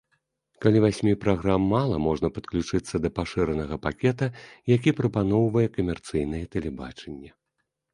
Калі васьмі праграм мала, можна падключыцца да пашыранага пакета, які прапаноўвае камерцыйнае тэлебачанне.